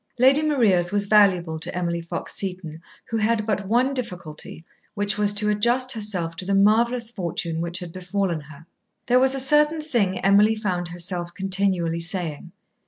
Lady Maria's was valuable to Emily Fox Seton, who had but one difficulty, which was to adjust herself to the marvellous fortune which had befallen her. There was a certain thing Emily found herself continually saying.